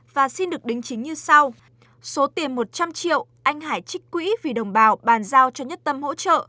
và xin được đính chính như sau số tiền một trăm linh triệu anh hải trích quỹ vì đồng bào bàn giao cho nhất tâm hỗ trợ